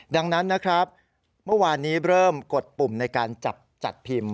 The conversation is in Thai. ดังนั้นนะครับเมื่อวานนี้เริ่มกดปุ่มในการจับจัดพิมพ์